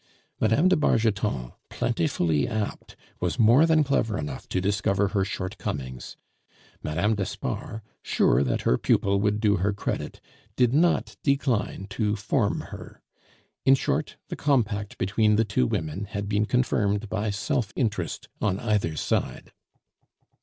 Mme. de Bargeton, plentifully apt, was more than clever enough to discover her shortcomings. Mme. d'Espard, sure that her pupil would do her credit, did not decline to form her. In short, the compact between the two women had been confirmed by self interest on either side.